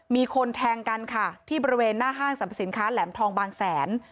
มีคนแทงกันค่ะที่บริเวณหน้าห้างสรรพสินค้าแหลมทองบางแสน